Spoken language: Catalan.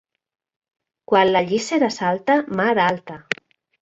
Quan la llíssera salta, mar alta.